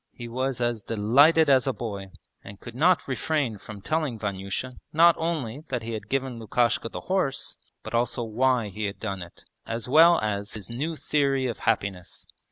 He was as delighted as a boy, and could not refrain from telling Vanyusha not only that he had given Lukashka the horse, but also why he had done it, as well as his new theory of happiness.